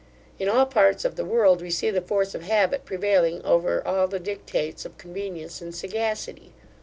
In all parts of the world, we see the force of habit prevailing over all the dictates of convenience and sagacity.